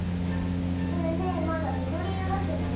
これねまだみどりいろだけどね。